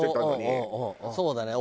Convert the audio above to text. そうだね。